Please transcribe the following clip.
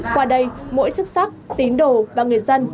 qua đây mỗi chức sắc tín đồ và người dân